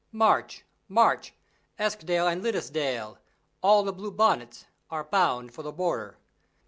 March, march, Eskdale and Liddesdale, All the Blue Bonnets are bound for the Border.